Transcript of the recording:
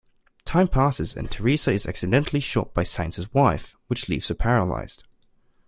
Time passes and Teresa is accidentally shot by Sainz's wife, which leaves her paralyzed.